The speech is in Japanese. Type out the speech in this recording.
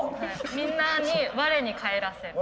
みんなに我に返らせる。